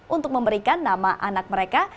untuk memberikan nama anak mereka